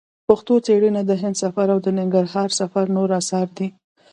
پښتو څېړنه د هند سفر او د ننګرهار سفر نور اثار دي.